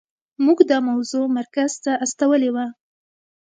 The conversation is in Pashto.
موږ دا موضوع مرکز ته استولې وه.